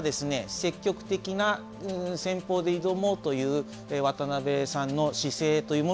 積極的な戦法で挑もうという渡辺さんの姿勢というものがうかがえます。